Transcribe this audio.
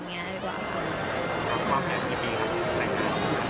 แล้วพ่อแม่กี่ปีครับแต่งงาน